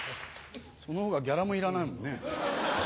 その方がギャラもいらないもんね。